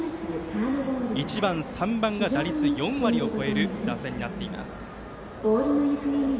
１番、３番が打率４割を超える打線になっています。